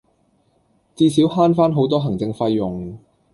至少慳返好多行政費用